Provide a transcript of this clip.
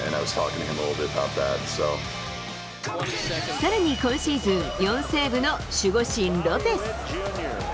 さらに今シーズン４セーブの守護神、ロペス。